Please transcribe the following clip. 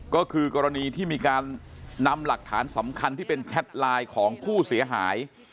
ก็คือกรณีที่มีการนำหลักฐานสำคัญที่เป็นแชทไลน์ของผู้เสียหาย